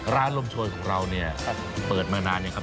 ร้านลมชวยของเราเปิดมานานอย่างไรครับ